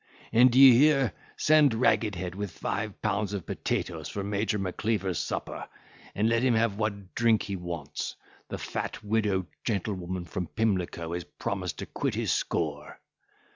And, d'ye hear, send Ragged head with five pounds of potatoes for Major Macleaver's supper, and let him have what drink he wants; the fat widow gentlewoman from Pimlico has promised to quit his score.